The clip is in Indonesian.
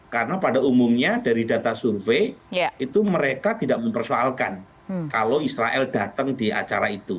karena pada umumnya dari data survei itu mereka tidak mempersoalkan kalau israel datang di acara itu